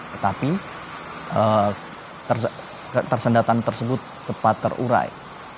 tetapi ketersendatan tersebut cepat terurai